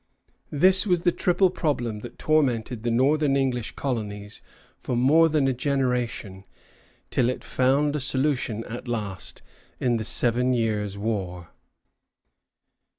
This was the triple problem that tormented the northern English colonies for more than a generation, till it found a solution at last in the Seven Years' War.